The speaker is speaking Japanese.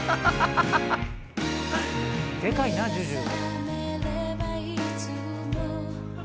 でかいな ＪＵＪＵ。